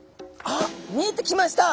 あっ見えてきました。